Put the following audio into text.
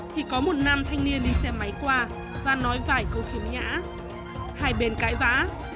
thì có một nam thanh niên đi xe máy qua và nói vài câu khiếm nhã hai bên cãi vã